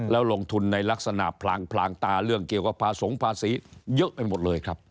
แล้วลงทุนในลักษณะพลางพลางตาเรื่องเกี่ยวกับพาสงภาษีเยอะไปหมดเลยครับ